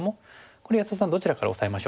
これは安田さんどちらからオサえましょう？